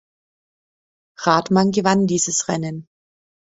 Rathmann gewann dieses Rennen.